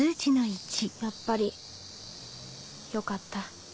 やっぱりよかった。